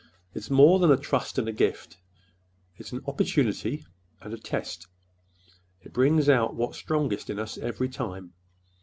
It's more than a trust and a gift—it's an opportunity, and a test. It brings out what's strongest in us, every time.